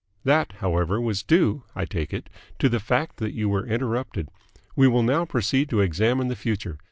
That, however, was due, I take it, to the fact that you were interrupted. We will now proceed to examine the future.